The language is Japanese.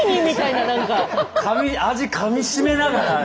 味かみしめながら。